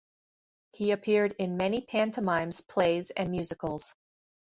He appeared in many pantomimes, plays, and musicals.